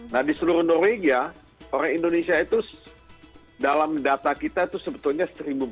nah di seluruh norwegia orang indonesia itu dalam data kita itu sebetulnya seribu empat ratus